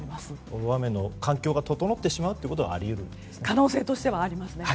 大雨の環境が整ってしまうことはあり得るんですね。